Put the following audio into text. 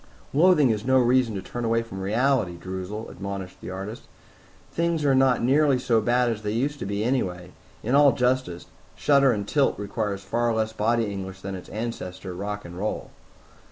"Loathing is no reason to turn away from reality, Droozle," admonished the artist. "Things are not nearly so bad as they used to be anyway. In all justice, shudder and tilt requires far less body English than its ancestor, rock and roll."